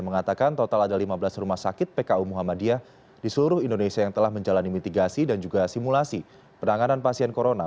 mengatakan total ada lima belas rumah sakit pku muhammadiyah di seluruh indonesia yang telah menjalani mitigasi dan juga simulasi penanganan pasien corona